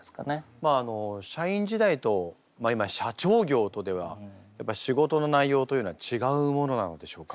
まああの社員時代と今社長業とではやっぱ仕事の内容というのは違うものなのでしょうか？